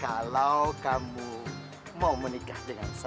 kalau kamu mau menikah dengan saya